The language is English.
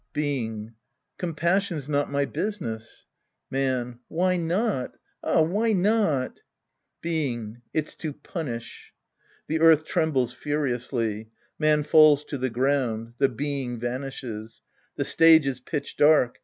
Being. Compassion's not my business. Man. Why not .? Ah, why not ? Being. It's to punish ! ij^he earth trembles furi ously. Man falls te'thi "ground. The Being vanishes. The stage is pitch dark.